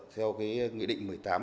theo nghị định một mươi tám